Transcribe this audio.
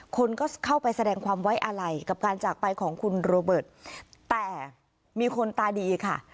คนก็เข้าไปแสดงความไว้อาลัยกับการจากไปของคุณโรเบิร์ตแต่มีคนตาดีค่ะ